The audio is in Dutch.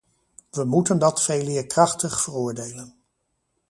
We moeten dat veeleer krachtig veroordelen.